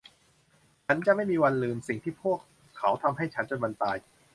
ฉันจะไม่มีวันลืมสิ่งที่พวกเขาทำให้ฉันจนวันตาย